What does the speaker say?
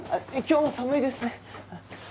今日も寒いですね。